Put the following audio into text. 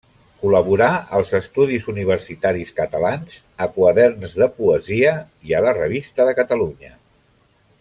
Col·laborà als Estudis Universitaris Catalans, a Quaderns de Poesia i a la Revista de Catalunya.